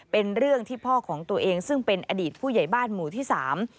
เป็นเรื่องที่พ่อของตัวเองซึ่งเป็นอดีตผู้ใหญ่บ้านหมู่ที่สาม